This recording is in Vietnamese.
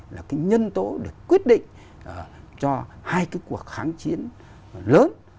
là cái nhân tố được quyết định cho hai cái cuộc kháng chiến lớn